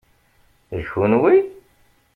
D kunwi?